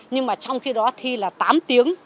nhưng mà trong khi đó thi là tám tiếng